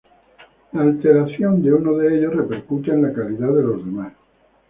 La alteración de uno de ellos repercute en la calidad de los demás.